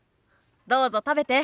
どうぞ食べて。